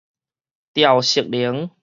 潮汐能